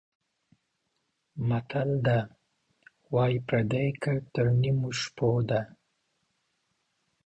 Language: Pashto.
متل ده:واى پردى ګټ تر نيمو شپو ده.